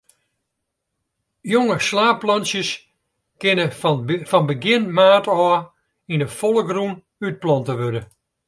Jonge slaadplantsjes kinne fan begjin maart ôf yn 'e folle grûn útplante wurde.